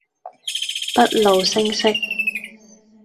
不露聲色